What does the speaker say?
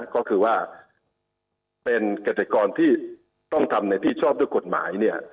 ก็คือว่าเป็นเกษตรกรที่ต้องทำในที่ชอบด้วยกฎหมาย